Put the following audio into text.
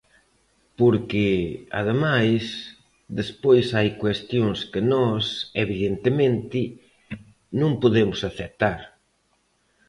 Porque, ademais, despois hai cuestións que nós, evidentemente, non podemos aceptar.